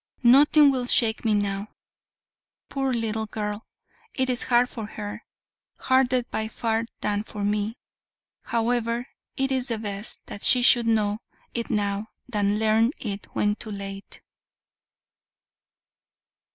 Nothing will shake me now. Poor little girl! it is hard for her, harder by far than for me. However, it is best that she should know it now, than learn it when too late."